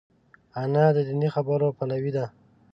انا د دیني خبرو پلوي ده